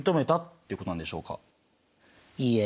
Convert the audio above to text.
いいえ。